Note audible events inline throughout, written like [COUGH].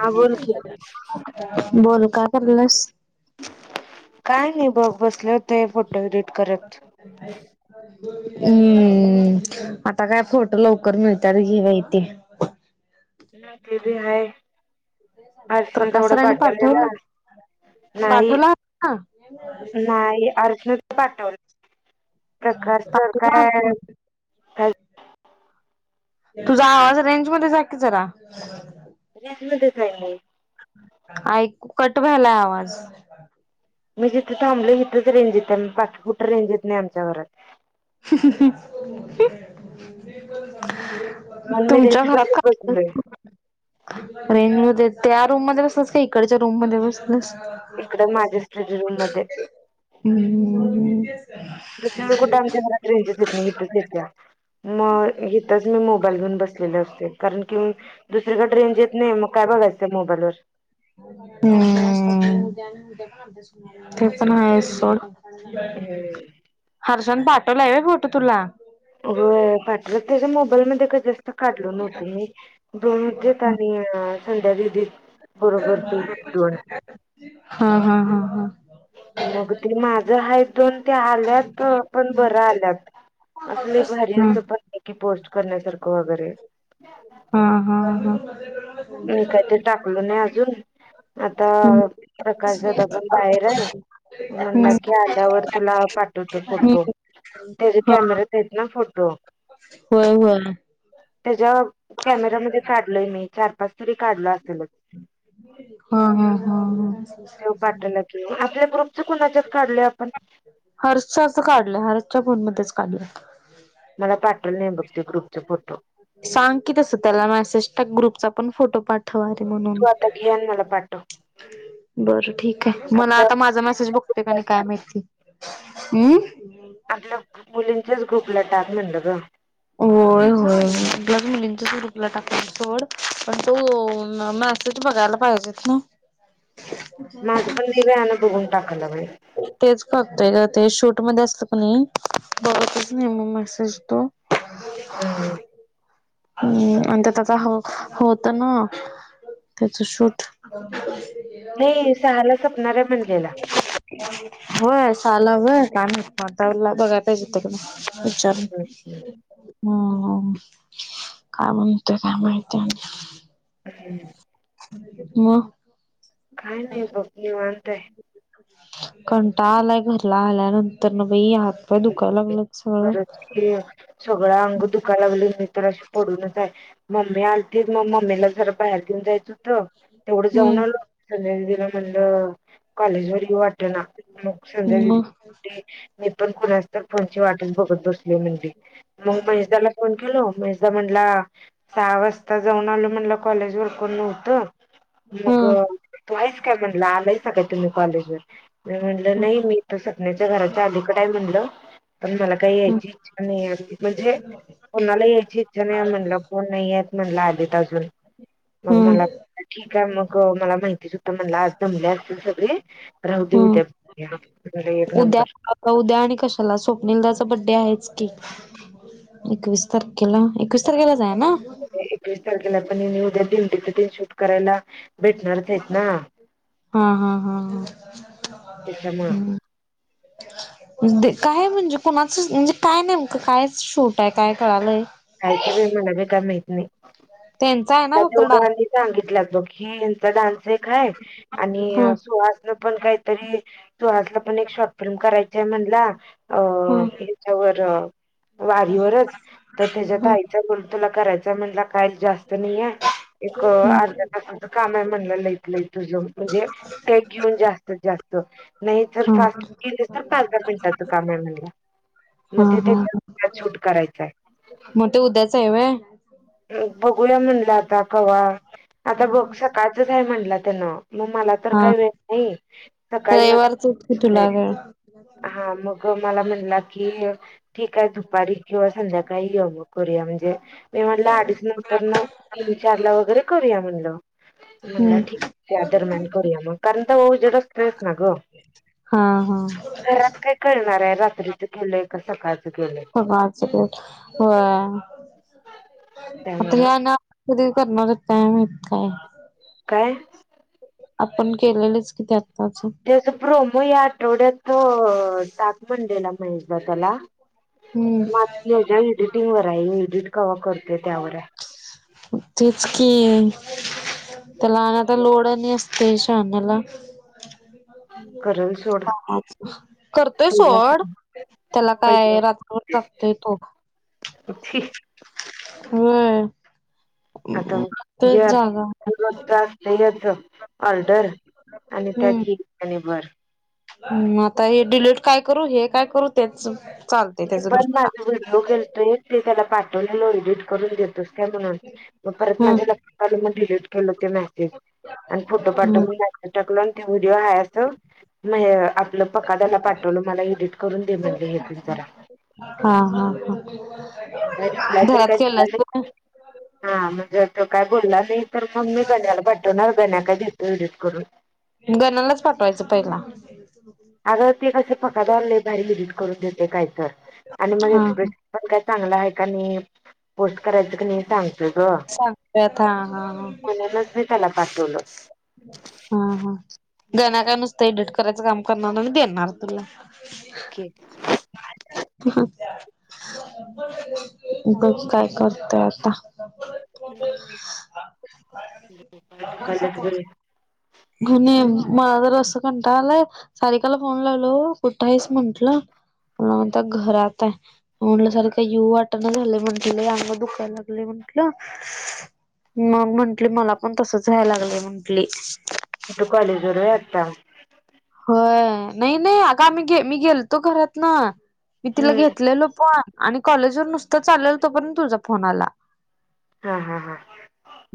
हा बोल की. बोल का करलास. काय नाही बघ बसले होते फोटो करत. हम्म. आता काय फोटो लवकर मिळतात घेवा इ तेे न ते भी ह अर्चना तेवढं प्रकाशसराने पाठवला पाडलेलं नाही. पाठवला हा नाही अर्जण तर पाठवलं प्रका सर पाठवला काय तुझा आवाज रेंज मध्ये जाकीील जरा. रेश म दिसाई म ऐकू कट वलाय आवाज मी जिथं थांबल तिथंच रेंजेत आहे बाकी कुठं रेंज येत नाही आमच्यावरात.. [UNINTELLIGIBLE] म्हणून मी तुमच्या रेंज घरात मध्येच का. बसलोय. रेंज म त्या रूम मध्ये बसलंस का इकडच्या रूम म बसलस. इकडं माझ्या स्टडी रूम मध्ये हम्म्. दुसरीकडे कुठेच आमच्या घरात रेंज येत नाही इथेच येत्या. मग इथच मी मोबाईल घून बसलेले असते कारण की. दुसरीकडे रेंज येत नाही मग काय बघायचं मोबाईल ववर हम्म ते पण आहे स हम्म. हर्षन पाठवला आहे फोटो तुला हो पाटलं त्याच्या मोबाईलमध्येध्ये कत काढल नव्हत दोनेतनी संध्यादी बरोबर त दोन हा हा हा हा. मग ते माझं ह दोन ते आल्यात पण बरं आल्यात. असले भर अस हम्म पण की पोस्ट करण्यासारखं वगैरे. हम हम ह मी काहीत टाकलो नाही अजून आता हम्म प्रकाशदादा पण बाहेर आहे म्हणला हम्म की आ त्यावर तुला पाठवतो फोटो हम्म त्याच्या हा कॅमेरात येत ना फोटो. होय हो. त्याच्या कॅमेरामध्ये काढलय मी चार पाच तरी काढल असेलच. हा हा हा ह. ते पाठायला गे आपल्या ग्रुपच कुणाच्याच काढले आपण. हर्षच्या असं काढलं हरशच्या फोनमध्येध्येच काढलं. मला पाठल नाही बघते ग्रुपचे फोटो. सांग की तस त्याला मेसेज ग्रुपचा पण फोटो पाठ. थवारे म्हणून. तू आता घे आणि मला पाठव बरं ठीक आहे मला आपल्या आता माझा मेसेज बघते का नाही काय ग्रुपला माहिती. हम्. आपल्या मुलींच्याच ग्रुपला टाक म्हलं ग होय होय मला मुलींच्या ग्रुप ला टाकाय सोड पण तो मसेच बघायला पाहिजे ना. माझं पण नेह्यानं बघून टाका लागलोय. तेच थक्तोय का ते शूट मध्ये असलं पण नाही बघतच ने मेसेज तो हम्म. हम्म आणि त्याचा हो होत ना त्याच शूट नाही सहाला सपणार आहे म्हणलेला. होय साहला होय की माहित मग बघायला पाहिजे त्याच्याकडे विचार ह. काय म्हणतो काय माहित? हम्. म काय नाही बघ निवांत आहे. कंटाळ आलाय घरला आल्यानंतर न बाई हातपाय दुखायला लागलं. गरज क सगळं अंग दुखालागले मी तर आज पडूनच आहे. मम्मी आलती मग मम्मीला जरा बाहेर देेऊन जायच होतं तेवढं जाऊन हम्म आल. संध्या दिदीला म्हणलं कॉलेज व वाट ना मग संध्या मग दिदी मी पण खुणा तर वाट बघत बसली म्हणे म मैसदाला फोन केल मैसदा म्हंला. सहा वाजता जाऊन आल म्हणला कॉलेज वर कोण नव्हतं. मग हम्म तू आहेस काय म्हणलं आलाय काय तुम्ही कॉलेजवर म म्हणलं नाही हम्म मी तर सपन्याच्या घराच्या आलीकडेय म्हणल पण मला काही यायचीच. आणि बुजे कोणाला यायची इच्छा नाही म्हणलं कोण नाही येत म्हटलं आधित अजून मग हम्म मला ठीक आहे मग मला माहितीच होद्धा मला आज जमले असतील सगळे. राह हम्म देऊद्या एक उद्या नंबर आता उद्या आणि कशाला स्वप्नीिलदाचा बड्डे आहेच की एकवीस तारखेला एकवीस तारखेला जाय ना. एकवीस तारखेला पण मी उद्या तीन तथ तीन शूट करायला भेटणारच आहेत ना. हा हा हा हा त्याच्यामुळं हम्. काय म्हणजे कोणाचं म्हणजे काय नेमकं काय शूट आहे काय कळालंय. कायकी बाई मला बी का माहत नाही त्यांचा आहे ना त्या फक्त डान्स तेवढंनी सांगितलंत बघ की डानस एक हाय आणि हा सुहास पण काहीतरी सुहासला पण एक शॉर्ट फिल्म करायची आहे म्हणला. अ हा त्याच्यावर वारीवरच तर त्याच्यात आईच. तुला करायचा म्हणला काही जास्त नाहीय. एक अर्ध्या तासाचं काम आहे म्हणलं लईकलं तुझ म्हणजे ते घेऊन जास्तीत जास्त नाही जर हा हा फास्ट केले तर पाधरा मिनिटाचं काम म्हलं. हा मग ते हा त्याच्या शूट करायचंय. मग ते उद्याच आहेवय. बघूया म्हणलं आता कवा आता बघ सकाळ य म्ह म म तर हा काही वेळ नाही सकाळी म रविवारच की तुला वेळ हा मग मला म्हणला की ठीक आहे दुपारी किंवा संध्याकाळी काही करूया म्हणजे मी म्हटलं अडीच तर ना तीन चार ला वगैरे करूया म्हणलं. म्हणला हम्म ठीक त्या दरम्यान करूया मग कारण तर जडच्ट्रेस ना ग. हां हां. घरात काय कळणार आहे रात्रीचं केलंय का सकाळचं केलंय. आता त्यामुळं ह ना. कधी करणारच टाम आहेत काय? काय? आपण केलेलंच किती आत्ताचं. त्याच प्रोमो या आठवड्यात तो ताकमंडेला म्हहेशबा त्याला हम्म माकी हच्या एडिटिंग वर आहेी एडिट क करते त्यावर तेच क तर लना तर लोड नाही असत तेशनला करल सोड करतय पहिला सवड त्याला काय रात्रीर लागतय तो पे हो आता हे आता जागा त्रास नाहीच ऑर्डर आणि त्यात हि आणि बर हम् आता हे डिलीट काय करू हे काय करू तेच चाल मी पण माझा व्हिडिओ गेलतोय ते त्याला पाठवलेलो एडिट करून देतो का म्हणून मग परत हम्म माझ्या लक्षात आलं म डिलीट केलं ते मेसेज आणि फोटो हम्म पाठोण टकून आणि ते व्हिडिओ हात म आपलं पका त्याला पाठवलं मला एडिट करून दे म्हणले हे प जरा. हा हा हा काय रिप्लाय तर घरात काय खेळला दिला हा म्हणजे तो काय बोलला नाही तर मग मी गण्याला भेटवणार गण्या्या काय दसो विडज करून गनालाच पाठवायचं पहिला ह हो अगं ते कसं फकाद आणले बाहेर विजिट करून देते काय तर आणि मग हा एक्सप्रेस हा पण काय चांगलं आहे का नाही पोस्ट करायचं क नाही सांग ग सांगत्यात हा हा हा मुलानच मी त्याला पाठवलं हा हा गणा काय नुसतं एडिट करायचं काम करणार आणि देणार तुला ओक ह बघ काय करतय आता तू ण श कॉलेज वर गणे मदर असस कटले सरकला फोन लावल पुठ्टायस म्हंटलं मण त्या घरात आहे म्हल्या सारखं यव वाटण झाले म्हंटले अग दुखायला लागले म्हंटलं मग म्हंटली मला पण तसच जायला लागलंय म्हंटली तू कॉलेज वर आता होय नाही नाही आगा आम्ही गे मी गेलतो घरात ना मी तिला हम्म घेतलेलो पण आणि कॉलेज वर नुसतं चालेल तो पणंत तुझा फोन आला हा हा हा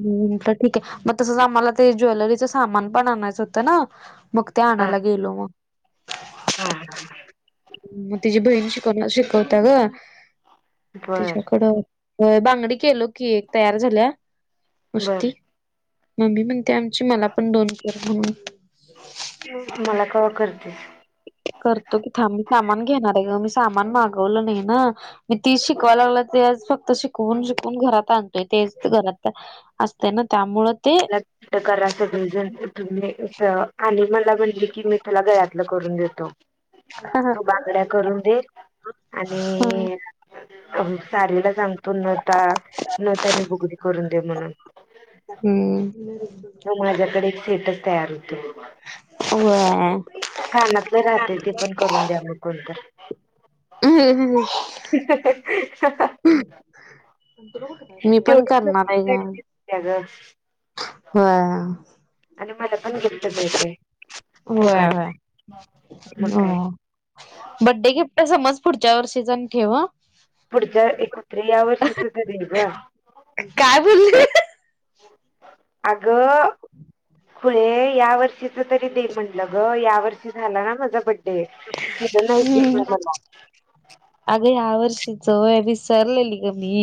हम् तर ठीक आहे मग तसच आम्हाला ते ज्वेलरीच सामान पण आणायचं होतं ना मग ते हा आणायला गेलो मग हा हा मग तिचीी बहीण शिकव शिकवता ग बर तिच्याकड बांगडी केलो की एक तयार झाल्या बर. कष्टती मम्मी म्हणते आमची मला पण दोन कर म्हून मला क करतेस करतो की थांबी सामान घेणार आहे ग मी सामान मागवलं नाही ना मी ती शिकवाय लागला ते आज फक्त शिकवून शिकवून घरात आण तेच घरात असते ना त्यामुळे ते करा सगळेजण उठ आणि मला म्हटले की मी त्याला गयातलं करून देतो तू बांगड्या करून दे आणि सारीला सांगतो न त्या न त्यानी बुगडी करून दे म्हणून हम्म मग माझ्याकडे एक सेटच तयार होतो अ कानातले राहते ते पण करून द्या मग कोणत [UNINTELLIGIBLE] ह मी पण तेवढी करणार आहे ग का हो आणि मला पण गिफ्ट मिळतेय व मग व काय ह बड्डे गिफ्ट समज पुढच्या वर्षी जा ठेववा पुढच्या एकोत्री या वर्षी तझ देल ग काय बोलली अगं पुळे या वर्षीच तरी दे म्हटलं ग या वर्षी झाला ना माझा बडडे दे दिलं नाही हम्म दिसतो मला अगं ह्या वर्षीचय विसरलेली ग मी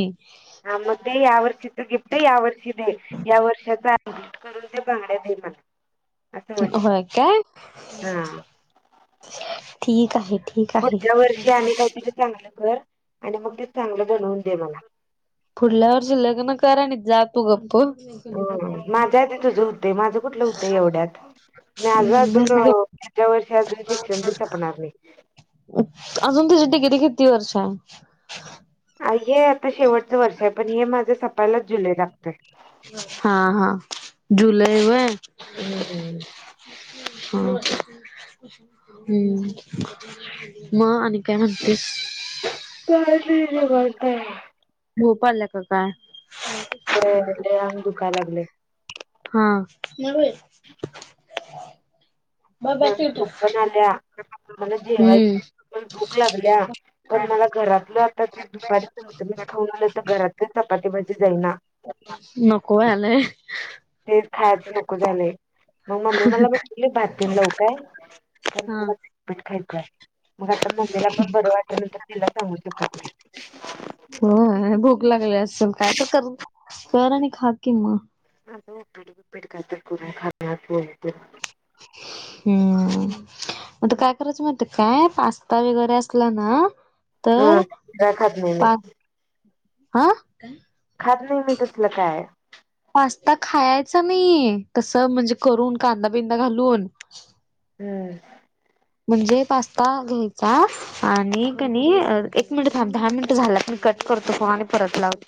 हा मग ते या वर्षीच गिफ्ट आहे या वर्षी दे या वर्षाचा ट करून ते बांगड्या देई मला असं म्हणे होय काय हा ठीक आहे ठीक आहे पुढच्या वर्षी आम्ही काहीतरी चांगलं कर आणि मग ते चांगलं बणवून दे मला पुढल्या वर्षी लग्न करा जा त गप्प ह माझ्या आधी तुझं होतंय माझं कुठलं होतंय चाल एवढ्यात माझं अजून हम् ब पुढच्या वर्षी अजून शिक्षण बी सपणार नाही अजून त्याची टिकेरी किती वर्ष आहे हे आता शेवटचं वर्ष आहे पण हे माझं सपायलाच जुल लागतय हा हा जुलै व हम् होम हम्म मग आणि काय म्हणतेस का करता आहे भोपालला का काय ले आम दुखा लागले हा म ना झोपण आल्या मला हम्म जेवायची पण भूक लागल्या पण मला घरातलं ते दुपारी चत मी खाऊन आलं तर घरात चपातीबाजी जाईना नकय आले आहे तेच खायचं नको झालंय मग मम्मी मला वाट भात लव काय पण हा. मला पीट खायचं आहे मग आता मम्मीला पण बरं वाट न तर तिला सांगू शकता तुम्ही हो भूक लागली असेल काय तर कर कर आणि खा कि मग आ उपडपीड कायत ख हम्म म काय करायचं मात काय पास्ता वगैरे असला ना तर हा खात नाही मी पा हा खात नाही मी तसलं काय पास्ता खायचा नाही तसं म्हणजे करून कांदा बिंदा घालून हम्म म्हणजे पास्ता घ्यायचा आणि कणी एक मिनिट दहा मिनिट झालं आपण कट करतो फो आणि परत लावतो